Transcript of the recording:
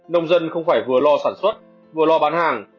nông dân không phải vừa lo sản xuất vừa lo bán hàng